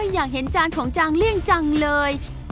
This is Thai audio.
อยากเห็นจานของจางเลี่ยงจังเลย